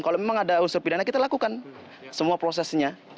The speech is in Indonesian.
kalau memang ada unsur pidana kita lakukan semua prosesnya